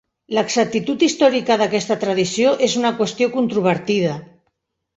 L'exactitud històrica d'aquesta tradició és una qüestió controvertida.